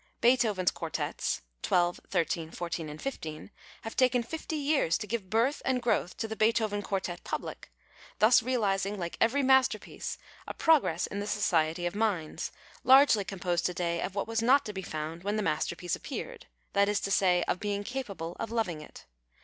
Beethoven's quartets (XII., XIII., XIV., and XV.) have taken fifty }cars lo give birtii and growth to the Beethoven quartet public, thus realizing like every masterpiece a progress in the society of minds, largely composed to day of what was not to be found when the masterpiece api)eared, that is to say, of beings capable of loving it.